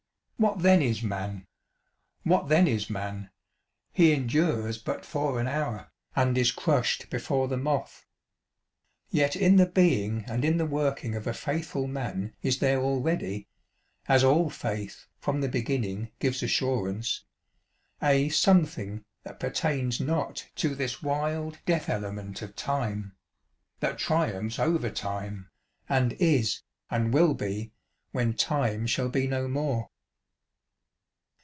What then is man ! What then is man ! He endures but for an hour, and is crushed before the moth. Yet in the being and in the working of a faithful man is there already (as all faith, from the be ginning, gives assurance) a something that pertains not to this wild death element of Time; that triumphs over Time, and is, and will be, when Time shall be no more."